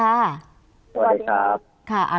สวัสดีครับ